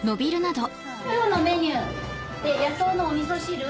今日のメニュー「野草のおみそ汁」。